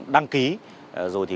đăng ký rồi